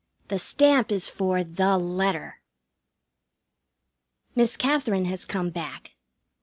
The stamp is for The Letter. Miss Katherine has come back.